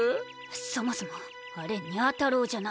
そもそもあれにゃ太郎じゃない。